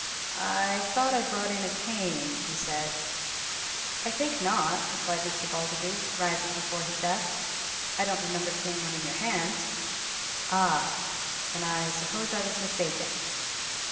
"I thought I brought a cane," he said. "I think not," replied Mr. Balderby, rising from before his desk. "I don't remember seeing one in your hand." "Ah, then, I suppose I was mistaken."